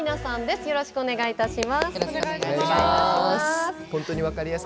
よろしくお願いします。